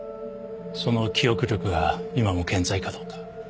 その記憶力が今も健在かどうか。